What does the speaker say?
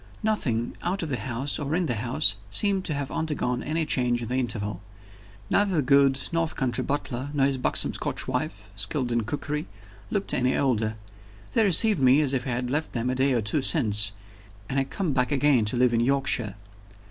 Nothing, out of the house or in the house, seemed to have undergone any change in the interval. Neither the good North country butler, nor his buxom Scotch wife, skilled in cookery, looked any older: they received me as if I had left them a day or two since, and had come back again to live in Yorkshire.